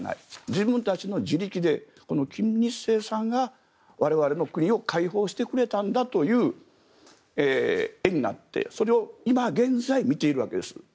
自分たちの自力で金日成さんが我々の国を解放してくれたんだという絵になってそれを今現在見ているわけです。